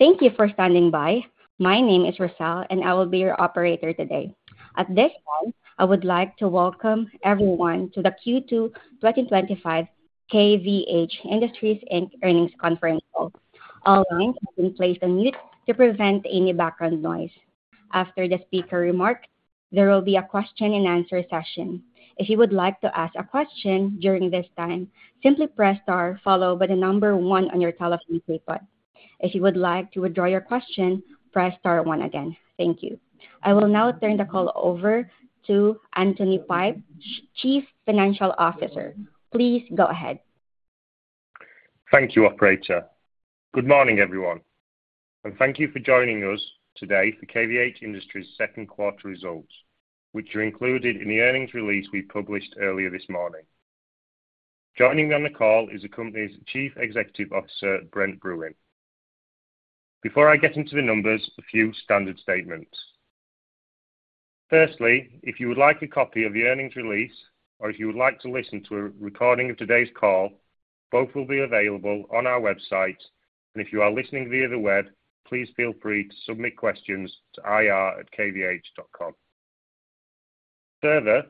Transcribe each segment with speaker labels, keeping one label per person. Speaker 1: Thank you for standing by. My name is Rachel, and I will be your operator today. At this time, I would like to welcome everyone to the Q2 2025 KVH Industries Inc. Earnings Conference Call. All lines have been placed on mute to prevent any background noise. After the speaker remarks, there will be a question and answer session. If you would like to ask a question during this time, simply press star followed by the number one on your telephone keypad. If you would like to withdraw your question, press star one again. Thank you. I will now turn the call over to Anthony Pike, Chief Financial Officer. Please go ahead.
Speaker 2: Thank you, Operator. Good morning, everyone, and thank you for joining us today for KVH Industries' second quarter results, which are included in the earnings release we published earlier this morning. Joining me on the call is the company's Chief Executive Officer, Brent Bruun. Before I get into the numbers, a few standard statements. Firstly, if you would like a copy of the earnings release or if you would like to listen to a recording of today's call, both will be available on our website. If you are listening via the web, please feel free to submit questions to ir@kvh.com. Further,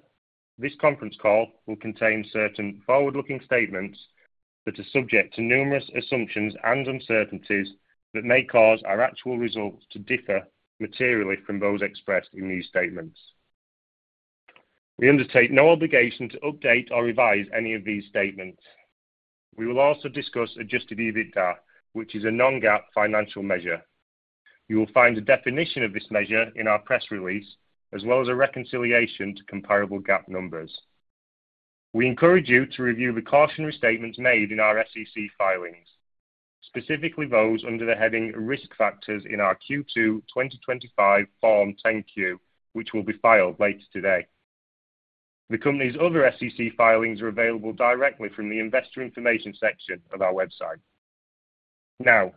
Speaker 2: this conference call will contain certain forward-looking statements that are subject to numerous assumptions and uncertainties that may cause our actual results to differ materially from those expressed in these statements. We undertake no obligation to update or revise any of these statements. We will also discuss adjusted EBITDA, which is a non-GAAP financial measure. You will find a definition of this measure in our press release, as well as a reconciliation to comparable GAAP numbers. We encourage you to review the cautionary statements made in our SEC filings, specifically those under the heading Risk Factors in our Q2 2025 Form 10-Q, which will be filed later today. The company's other SEC filings are available directly from the Investor Information section of our website. Now,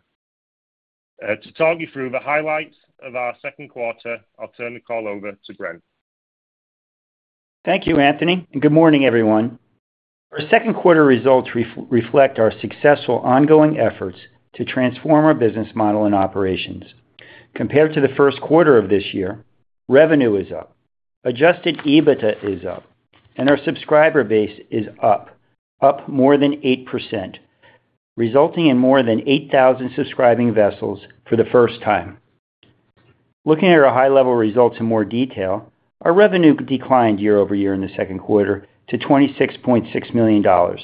Speaker 2: to talk you through the highlights of our second quarter, I'll turn the call over to Brent.
Speaker 3: Thank you, Anthony, and good morning, everyone. Our second quarter results reflect our successful ongoing efforts to transform our business model and operations. Compared to the first quarter of this year, revenue is up, adjusted EBITDA is up, and our subscriber base is up, up more than 8%, resulting in more than 8,000 subscribing vessels for the first time. Looking at our high-level results in more detail, our revenue declined year over year in the second quarter to $26.6 million,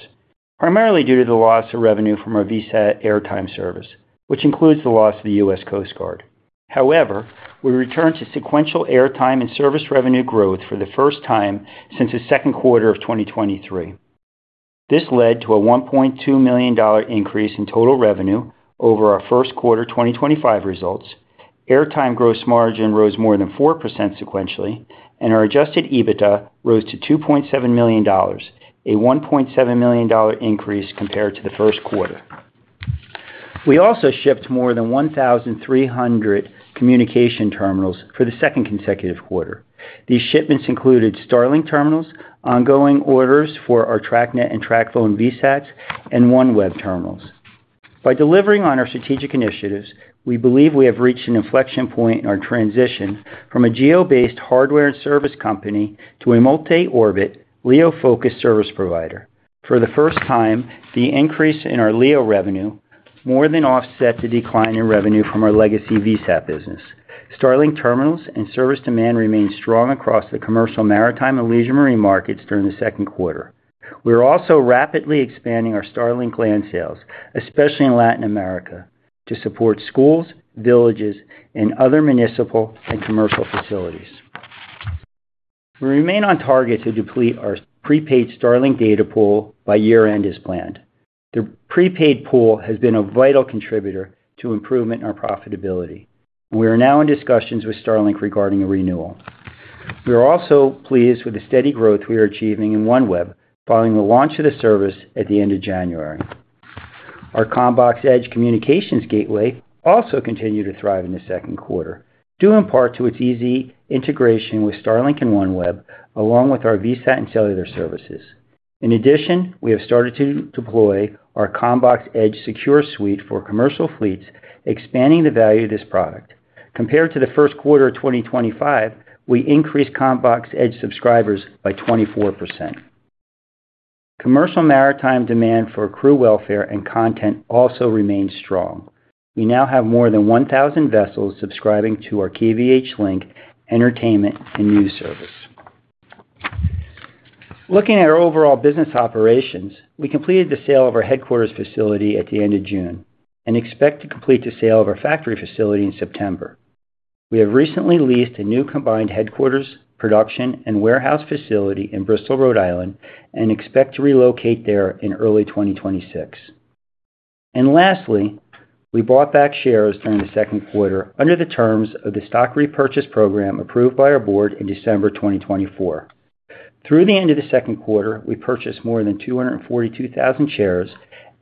Speaker 3: primarily due to the loss of revenue from our VSAT airtime service, which includes the loss of the U.S. Coast Guard. However, we returned to sequential airtime and service revenue growth for the first time since the second quarter of 2023. This led to a $1.2 million increase in total revenue over our first quarter 2024 results. Airtime gross margin rose more than 4% sequentially, and our adjusted EBITDA rose to $2.7 million, a $1.7 million increase compared to the first quarter. We also shipped more than 1,300 communication terminals for the second consecutive quarter. These shipments included Starlink terminals, ongoing orders for ourTracNet and TracPhone VSATs, and OneWeb terminals. By delivering on our strategic initiatives, we believe we have reached an inflection point in our transition from a GEO-based hardware and service company to a multi-orbit, LEO-focused service provider. For the first time, the increase in our LEO revenue more than offset the decline in revenue from our legacy VSAT business. Starlink terminals and service demand remained strong across the commercial, maritime, and leisure marine markets during the second quarter. We're also rapidly expanding our Starlink land sales, especially in Latin America, to support schools, villages, and other municipal and commercial facilities. We remain on target to deplete our prepaid Starlink data pool by year-end as planned. The prepaid pool has been a vital contributor to improvement in our profitability. We are now in discussions with Starlink regarding a renewal. We are also pleased with the steady growth we are achieving in OneWeb following the launch of the service at the end of January. Our CommBox Edge communications gateway also continued to thrive in the second quarter, due in part to its easy integration with Starlink and OneWeb, along with our VSAT and cellular services. In addition, we have started to deploy our CommBox Edge secure suite for commercial fleets, expanding the value of this product. Compared to the first quarter of 2025, we increased CommBox Edge subscribers by 24%. Commercial maritime demand for crew welfare and content also remains strong. We now have more than 1,000 vessels subscribing to our KVH Link entertainment and news service. Looking at our overall business operations, we completed the sale of our headquarters facility at the end of June and expect to complete the sale of our factory facility in September. We have recently leased a new combined headquarters, production, and warehouse facility in Bristol, Rhode Island, and expect to relocate there in early 2026. Lastly, we bought back shares during the second quarter under the terms of the stock repurchase program approved by our board in December 2024. Through the end of the second quarter, we purchased more than 242,000 shares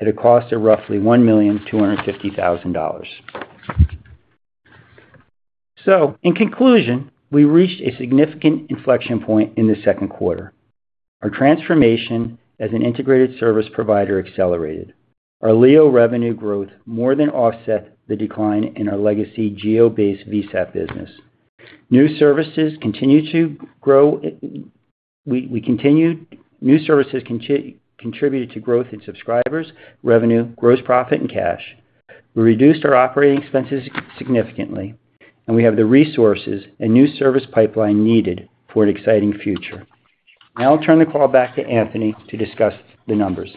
Speaker 3: at a cost of roughly $1,250,000. In conclusion, we reached a significant inflection point in the second quarter. Our transformation as an integrated service provider accelerated. Our LEO revenue growth more than offset the decline in our legacy geo-based VSAT business. New services continue to grow, new services contributed to growth in subscribers, revenue, gross profit, and cash. We reduced our operating expenses significantly, and we have the resources and new service pipeline needed for an exciting future. Now I'll turn the call back to Anthony to discuss the numbers.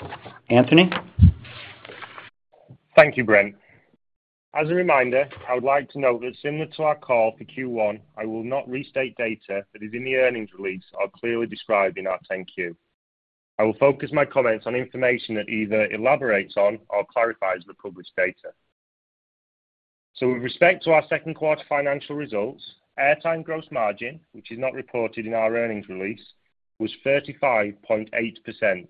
Speaker 3: Anthony?
Speaker 2: Thank you, Brent. As a reminder, I would like to note that similar to our call for Q1, I will not restate data that is in the earnings release or clearly described in our 10-Q. I will focus my comments on information that either elaborates on or clarifies the published data. With respect to our second quarter financial results, airtime gross margin, which is not reported in our earnings release, was 35.8%,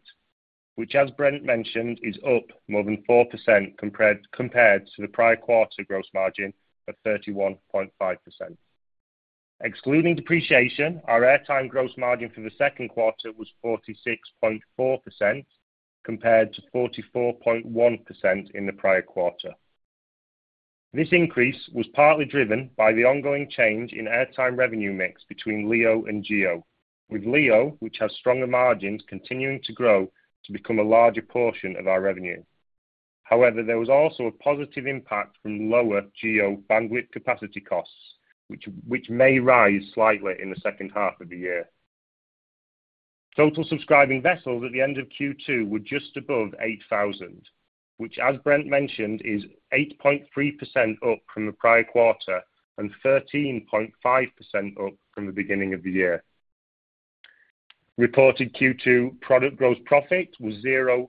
Speaker 2: which, as Brent mentioned, is up more than 4% compared to the prior quarter gross margin of 31.5%. Excluding depreciation, our airtime gross margin for the second quarter was 46.4% compared to 44.1% in the prior quarter. This increase was partly driven by the ongoing change in airtime revenue mix between LEO and GEO, with LEO, which has stronger margins, continuing to grow to become a larger portion of our revenue. There was also a positive impact from lower GEO bandwidth capacity costs, which may rise slightly in the second half of the year. Total subscribing vessels at the end of Q2 were just above 8,000, which, as Brent mentioned, is 8.3% up from the prior quarter and 13.5% up from the beginning of the year. Reported Q2 product gross profit was $0.3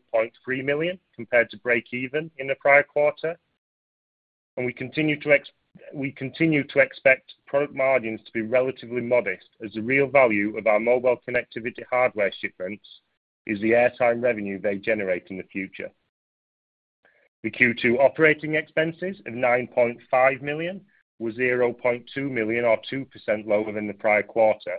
Speaker 2: million compared to break-even in the prior quarter, and we continue to expect product margins to be relatively modest as the real value of our mobile connectivity hardware shipments is the airtime revenue they generate in the future. The Q2 operating expenses of $9.5 million were $0.2 million or 2% lower than the prior quarter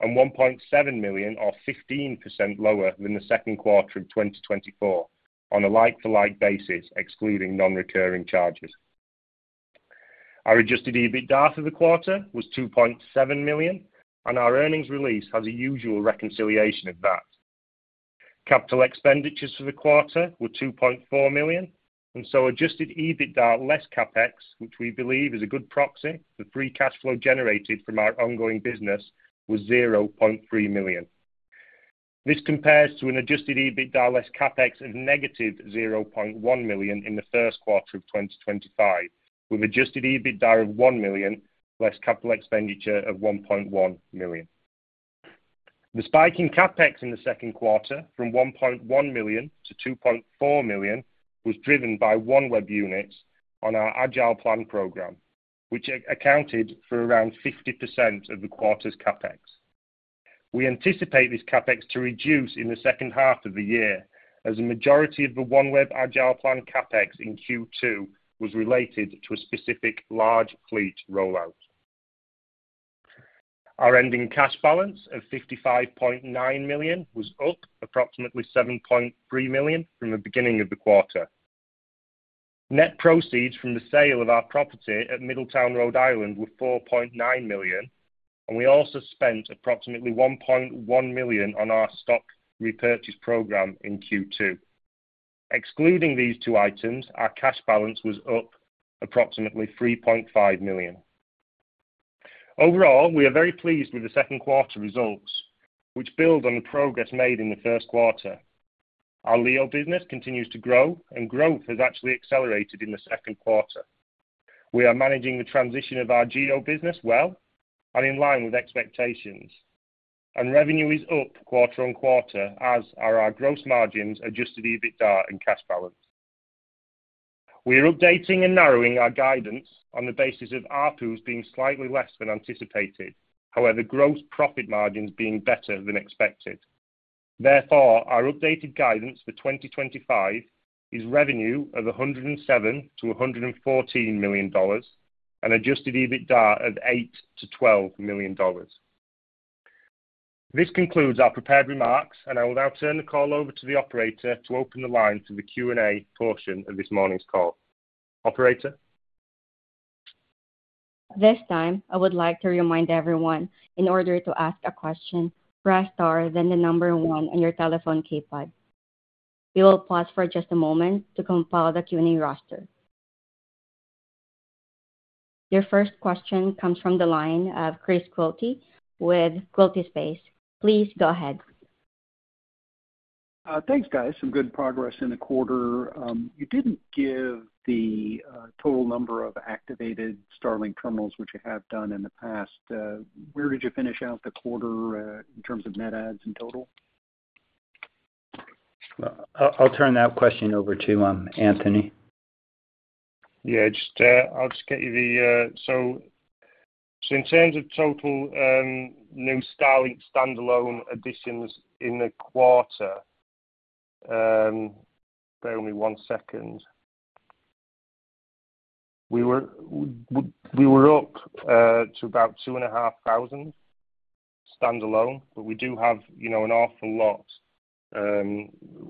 Speaker 2: and $1.7 million or 15% lower than the second quarter of 2024 on a like-for-like basis, excluding non-returning charges. Our adjusted EBITDA for the quarter was $2.7 million, and our earnings release has a usual reconciliation of that. Capital expenditures for the quarter were $2.4 million, and adjusted EBITDA less CapEx, which we believe is a good proxy for free cash flow generated from our ongoing business, was $0.3 million. This compares to an adjusted EBITDA less CapEx of negative $0.1 million in the first quarter of 2025, with an adjusted EBITDA of $1 million less capital expenditure of $1.1 million. The spike in CapEx in the second quarter from $1.1 million to $2.4 million was driven by OneWeb units on our AgilePlan program, which accounted for around 50% of the quarter's CapEx. We anticipate this CapEx to reduce in the second half of the year as a majority of the OneWeb Agileplan CapEx in Q2 was related to a specific large fleet rollout. Our ending cash balance of $55.9 million was up approximately $7.3 million from the beginning of the quarter. Net proceeds from the sale of our property at Middletown, Rhode Island were $4.9 million, and we also spent approximately $1.1 million on our stock repurchase program in Q2. Excluding these two items, our cash balance was up approximately $3.5 million. Overall, we are very pleased with the second quarter results, which build on the progress made in the first quarter. Our LEO business continues to grow, and growth has actually accelerated in the second quarter. We are managing the transition of our GEO business well and in line with expectations, and revenue is up quarter on quarter as are our gross margins, adjusted EBITDA, and cash balance. We are updating and narrowing our guidance on the basis of ARPUs being slightly less than anticipated, however, gross profit margins being better than expected. Therefore, our updated guidance for 2025 is revenue of $107 million-$114 million and adjusted EBITDA of $8 million-$12 million. This concludes our prepared remarks, and I will now turn the call over to the Operator to open the line for the Q&A portion of this morning's call. Operator?
Speaker 1: this time, I would like to remind everyone, in order to ask a question, press star then the number one on your telephone keypad. We will pause for just a moment to compile the Q&A roster. Your first question comes from the line of Chris Quilty with Quilty Space. Please go ahead.
Speaker 4: Thanks, guys. Some good progress in the quarter. You didn't give the total number of activated Starlink terminals, which you have done in the past. Where did you finish out the quarter in terms of net adds in total?
Speaker 3: I'll turn that question over to Anthony.
Speaker 2: In terms of total new Starlink standalone additions in the quarter, bear with me one second. We were up to about 2,500 standalone, but we do have an awful lot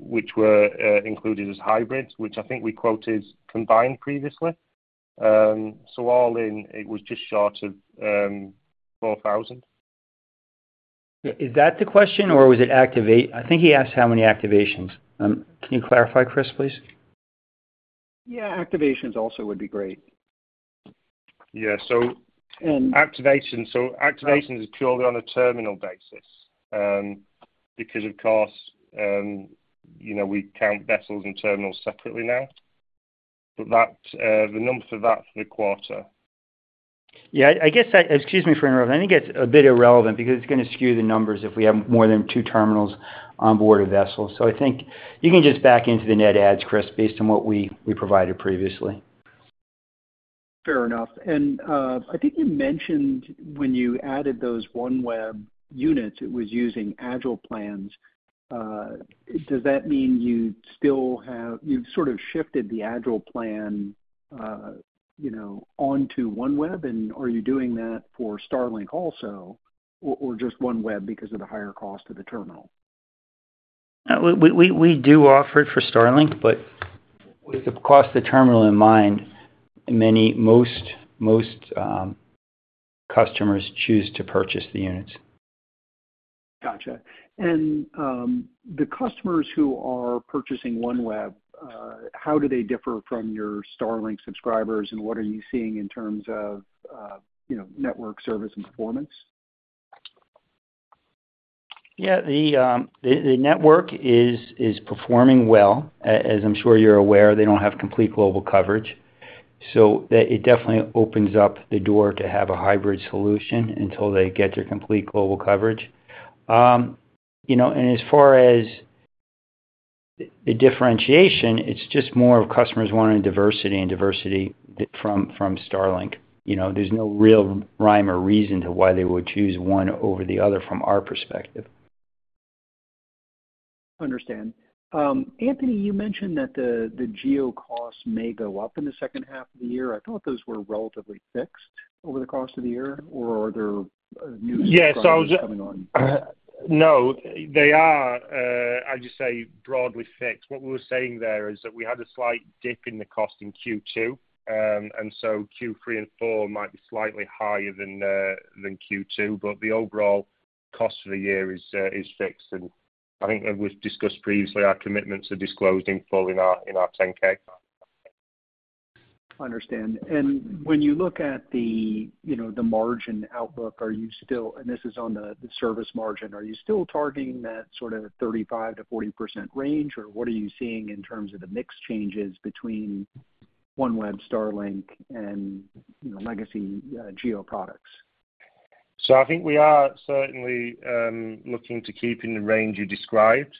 Speaker 2: which were included as hybrids, which I think we quoted combined previously. All in, it was just short of 4,000.
Speaker 3: Is that the question or was it activate? I think he asked how many activations. Can you clarify, Chris, please?
Speaker 4: Yeah, activations also would be great.
Speaker 2: Yeah, activations are truly on a terminal basis because, of course, you know, we count vessels and terminals separately now. That's the number for that for the quarter.
Speaker 3: Yeah, I guess, excuse me for interrupting, I think it's a bit irrelevant because it's going to skew the numbers if we have more than two terminals on board a vessel. I think you can just back into the net adds, Chris, based on what we provided previously.
Speaker 4: Fair enough. I think you mentioned when you added those OneWeb units, it was using AgilePlans. Does that mean you still have, you sort of shifted the AgilePlan onto OneWeb, and are you doing that for Starlink also or just OneWeb because of the higher cost of the terminal?
Speaker 3: We do offer it for Starlink, but with the cost of the terminal in mind, most customers choose to purchase the units.
Speaker 4: Gotcha. The customers who are purchasing OneWeb, how do they differ from your Starlink subscribers, and what are you seeing in terms of, you know, network service and performance?
Speaker 3: Yeah, the network is performing well, as I'm sure you're aware. They don't have complete global coverage. It definitely opens up the door to have a hybrid solution until they get their complete global coverage. As far as a differentiation, it's just more of customers wanting diversity and diversity from Starlink. There's no real rhyme or reason to why they would choose one over the other from our perspective.
Speaker 4: Understand. Anthony, you mentioned that the GEO costs may go up in the second half of the year. I thought those were relatively fixed over the course of the year, or are there new subscriptions coming on?
Speaker 2: No, they are, I'd just say broadly fixed. What we were saying there is that we had a slight dip in the cost in Q2, and Q3 and Q4 might be slightly higher than Q2, but the overall cost for the year is fixed. I think it was discussed previously, our commitments are disclosed in full in our 10-K.
Speaker 4: When you look at the margin outlook, are you still, and this is on the service margin, are you still targeting that sort of 35%-40% range, or what are you seeing in terms of the mix changes between OneWeb, Starlink, and legacy GEO products?
Speaker 2: I think we are certainly looking to keep in the range you described.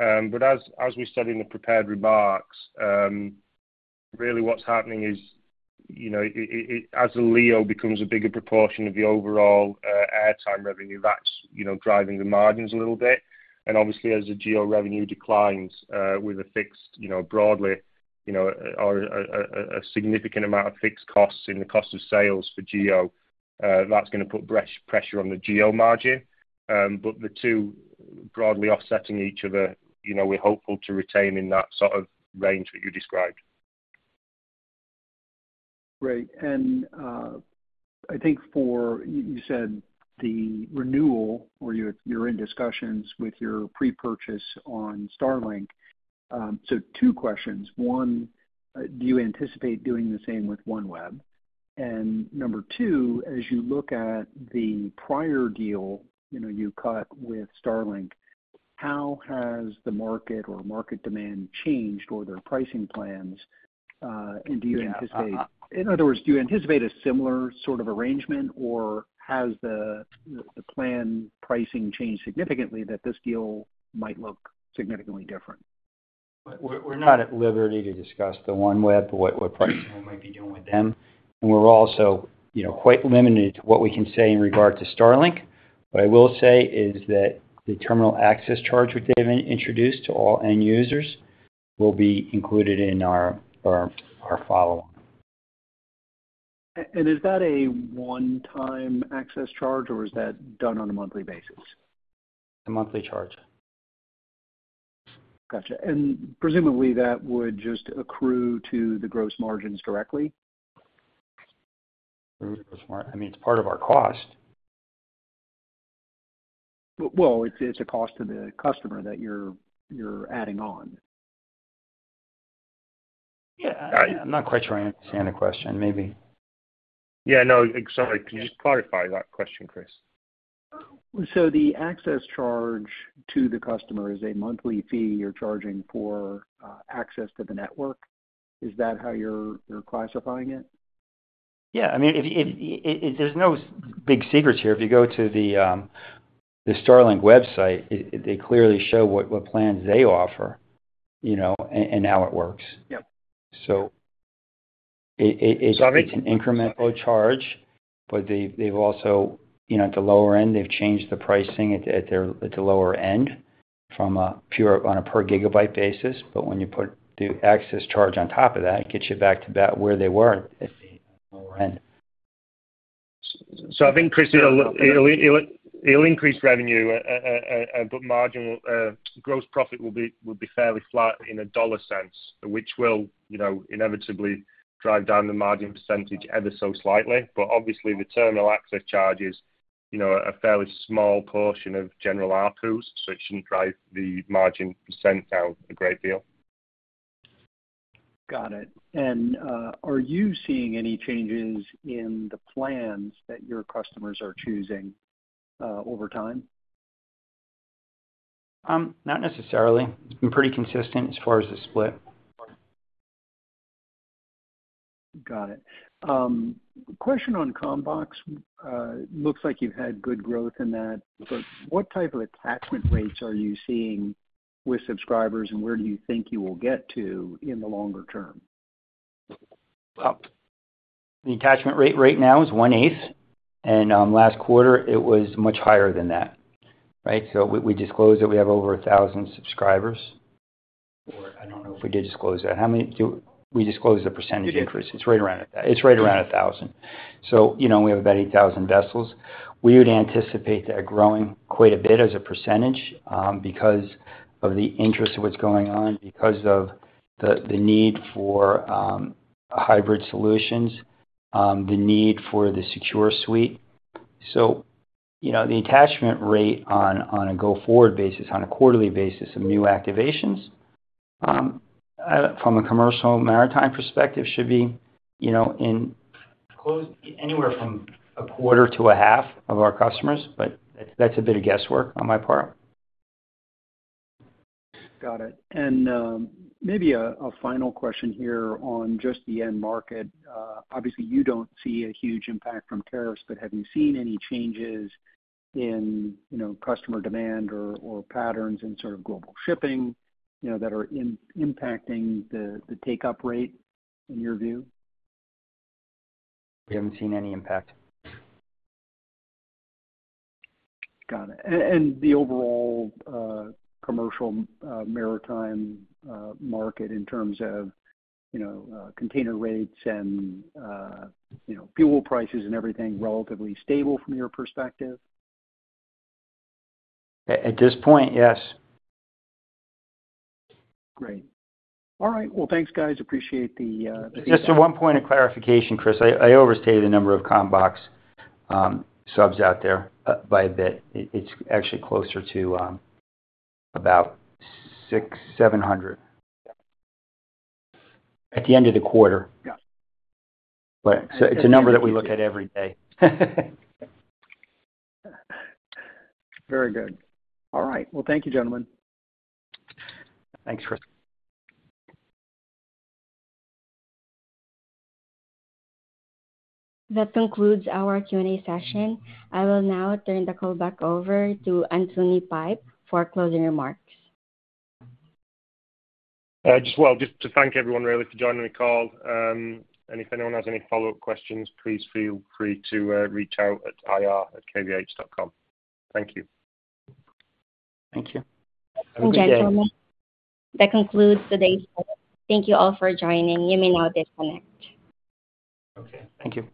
Speaker 2: As we said in the prepared remarks, really what's happening is, as the LEO becomes a bigger proportion of the overall airtime revenue, that's driving the margins a little bit. Obviously, as the GEO revenue declines with a significant amount of fixed costs in the cost of sales for GEO, that's going to put pressure on the GEO margin. The two are broadly offsetting each other. We're hopeful to retain in that sort of range that you described.
Speaker 4: Great. I think for, you said, the renewal, or you're in discussions with your pre-purchase on Starlink. Two questions. One, do you anticipate doing the same with OneWeb? Number two, as you look at the prior deal you cut with Starlink, how has the market or market demand changed or their pricing plans? Do you anticipate, in other words, a similar sort of arrangement, or has the plan pricing changed significantly that this deal might look significantly different?
Speaker 3: We're not at liberty to discuss the OneWeb, what pricing we might be doing with them. We're also quite limited to what we can say in regard to Starlink. What I will say is that the terminal access charge that they have introduced to all end users will be included in our follow-up.
Speaker 4: Is that a one-time access charge, or is that done on a monthly basis?
Speaker 3: A monthly charge.
Speaker 4: Gotcha. Presumably, that would just accrue to the gross margins directly?
Speaker 3: I mean, it's part of our cost.
Speaker 4: It’s a cost to the customer that you’re adding on.
Speaker 3: I'm not quite sure I understand the question. Maybe.
Speaker 2: Yeah, sorry, could you just clarify that question, Chris?
Speaker 4: The access charge to the customer is a monthly fee you're charging for access to the network. Is that how you're classifying it?
Speaker 3: Yeah, I mean, there's no big secrets here. If you go to the Starlink website, they clearly show what plans they offer, you know, and how it works.
Speaker 4: Yep.
Speaker 3: It's an incremental charge, but they've also, you know, at the lower end, they've changed the pricing at the lower end from a pure on a per gigabyte basis. When you put the access charge on top of that, it gets you back to where they were at the lower end.
Speaker 2: I think, Chris, it'll increase revenue, but marginal gross profit will be fairly flat in a dollar sense, which will, you know, inevitably drive down the margin percentage ever so slightly. Obviously, the terminal access charges, you know, are a fairly small portion of general ARPUs, so it shouldn't drive the margin percentile down a great deal.
Speaker 4: Got it. Are you seeing any changes in the plans that your customers are choosing over time?
Speaker 3: Not necessarily. It's been pretty consistent as far as the split.
Speaker 4: Got it. Question on CommBox Edge. Looks like you've had good growth in that, but what type of attachment rates are you seeing with subscribers, and where do you think you will get to in the longer term?
Speaker 3: The attachment rate right now is one-eighth, and last quarter it was much higher than that, right? We disclosed that we have over a thousand subscribers, or I don't know if we did disclose that. How many do we disclose the percentage interest? It's right around a thousand. We have about 8,000 vessels. We would anticipate that growing quite a bit as a percentage because of the interest of what's going on, because of the need for hybrid solutions, the need for the secure suite. The attachment rate on a go-forward basis, on a quarterly basis of new activations, from a commercial maritime perspective, should be in close anywhere from a quarter to a half of our customers, but that's a bit of guesswork on my part.
Speaker 4: Got it. Maybe a final question here on just the end market. Obviously, you don't see a huge impact from tariffs, but have you seen any changes in, you know, customer demand or patterns in sort of global shipping that are impacting the take-up rate in your view?
Speaker 3: We haven't seen any impact.
Speaker 4: Got it. The overall commercial maritime market in terms of, you know, container rates and, you know, fuel prices and everything is relatively stable from your perspective?
Speaker 3: At this point, yes.
Speaker 4: Great. All right. Thanks, guys. Appreciate the...
Speaker 3: Just one point of clarification, Chris, I overstated the number of CommBox subs out there by a bit. It's actually closer to about 600, 700 at the end of the quarter.
Speaker 4: Yeah.
Speaker 3: It is a number that we look at every day.
Speaker 4: Very good. All right. Thank you, gentlemen.
Speaker 3: Thanks, Chris.
Speaker 1: That concludes our Q&A session. I will now turn the call back over to Anthony Pike for closing remarks.
Speaker 2: Thank you everyone really for joining the call. If anyone has any follow-up questions, please feel free to reach out at ir@kvh.com. Thank you.
Speaker 3: Thank you.
Speaker 4: Have a great day.
Speaker 1: Okay, gentlemen. That concludes today's session. Thank you all for joining. You may now disconnect.
Speaker 3: Thank you.